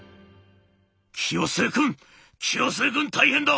「清末君清末君大変だ！